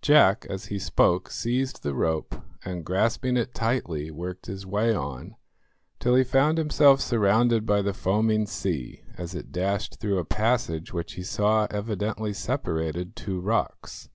Jack, as he spoke, seized the rope, and grasping it tightly worked his way on till he found himself surrounded by the foaming sea as it dashed through a passage which he saw evidently separated two rocks.